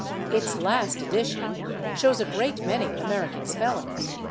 Its last edition shows a great many American spellings.